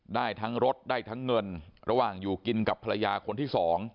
ได้ทั้งรถได้ทั้งเงินระหว่างอยู่กินกับภรรยาคนที่๒